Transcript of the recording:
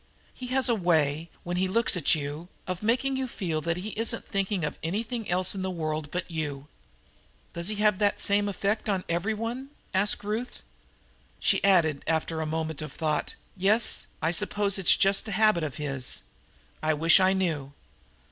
"He has a way, when he looks at you, of making you feel that he isn't thinking of anything else in the world but you." "Does he have that same effect on every one?" asked Ruth. She added, after a moment of thought, "Yes, I suppose it's just a habit of his. I wish I knew."